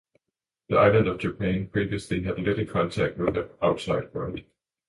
The island of Japan previously had little contact with the outside world.